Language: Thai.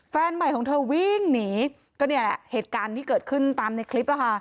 แฟนใหม่ของเธอวิ่งหนีก็เนี่ยเหตุการณ์ที่เกิดขึ้นตามในคลิปอ่ะค่ะ